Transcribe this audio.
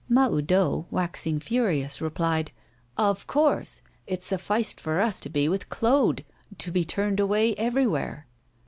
Mahoudeau, waxing furious, replied: 'Of course! It sufficed for us to be with Claude, to be turned away everywhere.